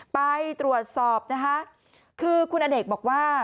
ไปตรวจสอบคือคุณอเด็กบอกว่า